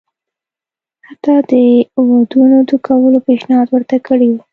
حتی د ودونو د کولو پېشنهاد ورته کړی وو.